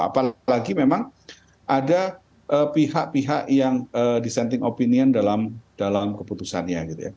apalagi memang ada pihak pihak yang dissenting opinion dalam keputusannya